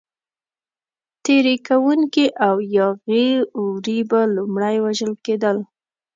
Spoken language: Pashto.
تېري کوونکي او یاغي وري به لومړی وژل کېدل.